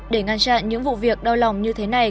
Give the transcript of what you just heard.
để ngăn chặn những vụ việc đau lòng như thế này